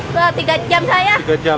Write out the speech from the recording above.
pembeli apa sih ibu di dalam